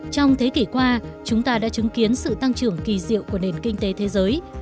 trong thế kỷ qua chúng ta đã chứng kiến sự tăng trưởng kỳ diệu của nền kinh tế thế giới